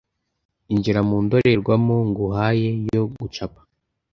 injira mu ndorerwamo nguhaye yo gucapa